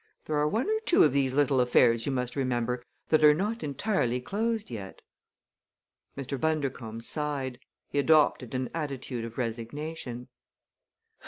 There are one or two of these little affairs, you must remember, that are not entirely closed yet." Mr. Bundercombe sighed. He adopted an attitude of resignation.